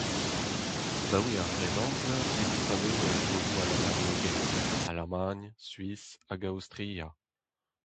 Abaoe ar Grennamzer ez eus anezho er broioù alamaneger : Alamagn, Suis hag Aostria.